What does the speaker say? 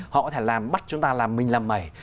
họ có thể làm bắt chúng ta làm mình làm mẩy